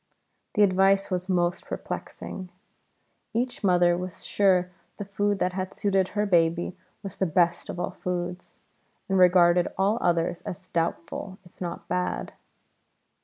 The advice was most perplexing. Each mother was sure the food that had suited her baby was the best of all foods, and regarded all others as doubtful, if not bad.